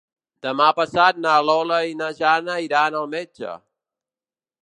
Demà passat na Lola i na Jana iran al metge.